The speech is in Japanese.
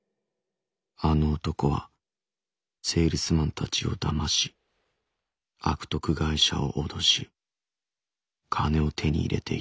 あの男はセールスマンたちをだまし悪徳会社を脅し金を手に入れていた。